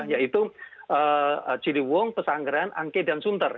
yaitu ciliwung pesanggeran angke dan sunter